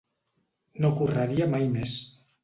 No correria mai més.